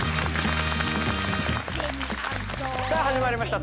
さあ始まりました